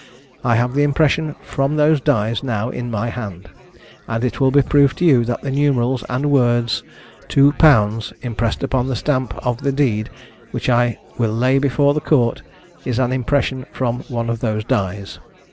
I have the impression from those dies now in my hand, and it will be proved to you that the numerals and words "II Pounds," impressed upon the stamp of the deed, which I will lay before the court, is an impression from one of those dies.